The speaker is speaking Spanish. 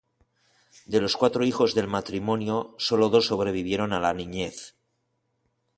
De los cuatro hijos del matrimonio sólo dos sobrevivieron a la niñez.